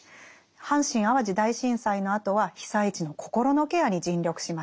阪神・淡路大震災のあとは被災地の「心のケア」に尽力しました。